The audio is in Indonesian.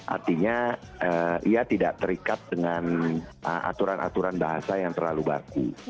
artinya ia tidak terikat dengan aturan aturan bahasa yang terlalu baku